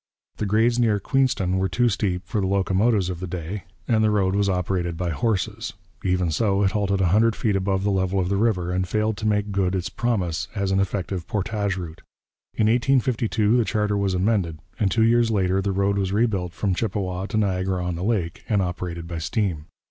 The grades near Queenston were too steep for the locomotives of the day, and the road was operated by horses; even so, it halted a hundred feet above the level of the river, and failed to make good its promise as an effective portage route. In 1852 the charter was amended, and two years later the road was rebuilt from Chippawa to Niagara on the Lake, and operated by steam.